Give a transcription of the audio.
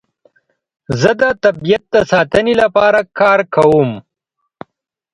زه د طبیعت د ساتنې لپاره کار کوم.